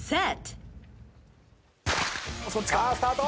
さあスタート！